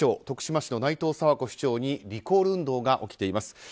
徳島市の内藤佐和子市長にリコール運動が起きています。